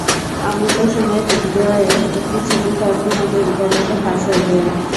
অমৃতার সঙ্গে দিগ্বিজয়ের একটি ছবি কয়েক দিন আগে ইন্টারনেটে ফাঁস হয়ে যায়।